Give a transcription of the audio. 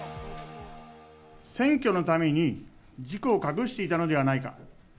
選挙のために事故を隠していたのではないか？